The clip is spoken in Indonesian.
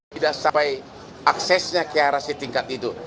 tidak sampai aksesnya ke arah setingkat itu